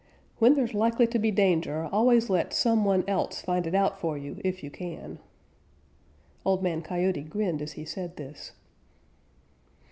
When there's likely to be danger, always let some one else find it out for you if you can." Old Man Coyote grinned as he said this.